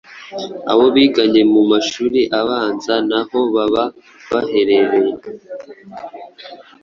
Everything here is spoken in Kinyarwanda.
abo biganye mu mashuri abanza n'aho baba baherereye.